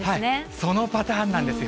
そのパターンなんですよ。